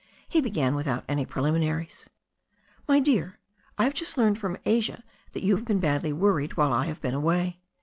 He began without any preliminaries. "My dear, I have just learned from Asia that you have been badly worried while I have been away.